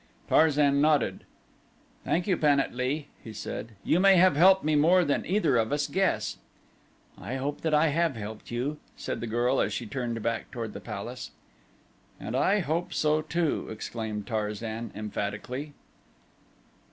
Tarzan nodded. "Thank you Pan at lee," he said. "You may have helped me more than either of us guess." "I hope that I have helped you," said the girl as she turned back toward the palace. "And I hope so too," exclaimed Tarzan emphatically.